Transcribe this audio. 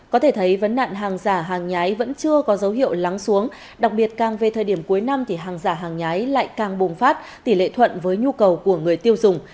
có thể thấy vấn nạn hàng giả hàng nhái vẫn chưa có dấu hiệu lắng xuống đặc biệt càng về thời điểm cuối năm thì hàng giả hàng nhái lại càng bùng phát tỷ lệ thuận với nhu cầu của người tiêu dùng